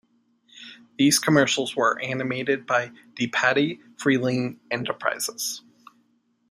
These commercials were animated by DePatie-Freleng Enterprises.